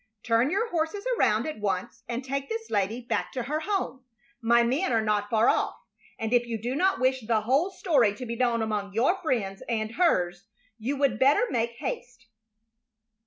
Turn your horses around at once and take this lady back to her home. My men are not far off, and if you do not wish the whole story to be known among your friends and hers you would better make haste."